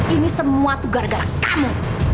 ini semua tuh gara gara kamu